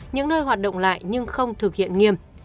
những nơi hoạt động lại nhưng không thực hiện nghiêm